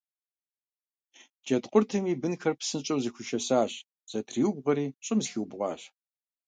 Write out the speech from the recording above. Джэдкъуртым и бынхэр псынщӀэу зэхуишэсащ, зэтриубгъуэри щӀым зэхиӀубгъуащ.